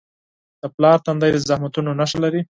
د پلار تندی د زحمتونو نښه لري.